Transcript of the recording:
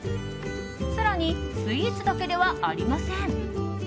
更にスイーツだけではありません。